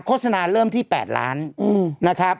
โฆษณาเริ่มที่๘ล้านนะครับ